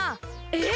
えっ！？